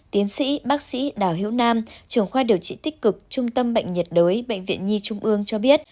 tiến sĩ bác sĩ đào hiếu nam trường khoa điều trị tích cực trung tâm bệnh nhiệt đối bệnh viện nhi trung ương cho biết